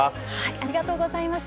ありがとうございます。